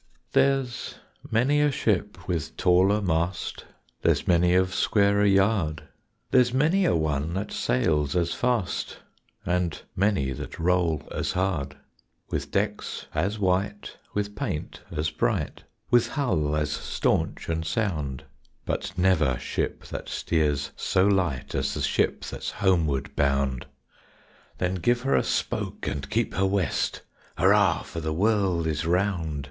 There's many a ship with taller mast, There's many of squarer yard, There's many a one that sails as fast And many that roll as hard; With decks as white, with paint as bright, With hull as staunch and sound; But never ship that steers so light As the ship that's homeward bound! _Then give her a spoke, and keep her west, Hurrah, for the world is round!